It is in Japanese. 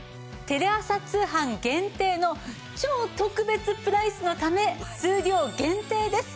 テレ朝通販限定の超特別プライスのため数量限定です。